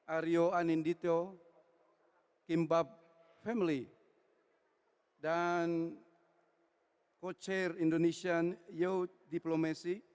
aryo anindito kimbab family dan hai co chair indonesian you diplomasi